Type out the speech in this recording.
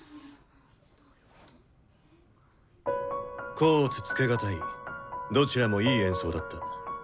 甲乙つけがたいどちらもいい演奏だった。